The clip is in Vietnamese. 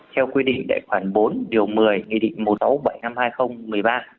theo quy định đại khoản bốn điều một mươi nghị định một trăm sáu mươi bảy năm hai nghìn một mươi ba